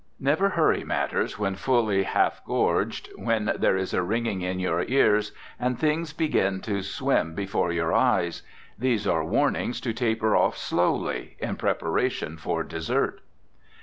Never hurry matters when fully half gorged, when there is a ringing in your ears, and things begin to swim before your eyes. These are warnings to taper off slowly, in preparation for dessert.